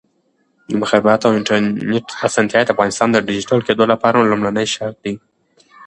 د مخابراتو او انټرنیټ اسانتیاوې د افغانستان د ډیجیټل کېدو لپاره لومړنی شرط دی.